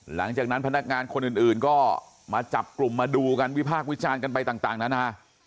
หลังจากนั้นพนักงานคนอื่นก็มาจับกลุ่มมาดูกันวิพากษ์วิจารณ์กันไปต่างนานา